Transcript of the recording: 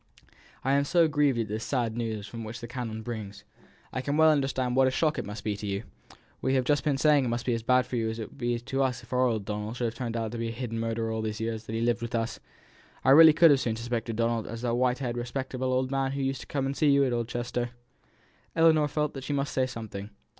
"I am so grieved at this sad news which the canon brings. I can well understand what a shock it must be to you; we have just been saying it must be as bad for you as it would be to us if our old Donald should turn out to have been a hidden murderer all these years that he has lived with us; I really could have as soon suspected Donald as that white haired respectable old man who used to come and see you at East Chester." Ellinor felt that she must say something.